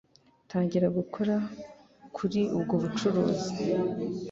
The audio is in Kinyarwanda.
Tangira gukora kuri ubwo bucuruzi.